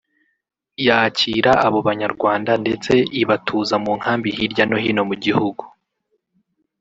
yakira abo Banyarwanda ndetse ibatuza mu nkambi hirya no hino mu gihugu